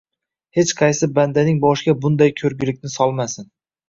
Hech qaysi bandaning boshiga bunday koʻrgulikni solmasin